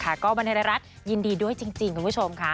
ก็บรรเทารัฐยินดีด้วยจริงคุณผู้ชมค่ะ